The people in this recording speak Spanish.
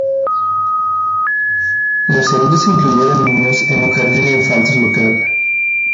Los heridos incluyeron niños en un jardín de infantes local.